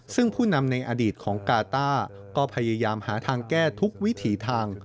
ซึ่งผู้นำในอดีตของกาต้าก็พยายามหาทางแก้ทุกวิถีทาง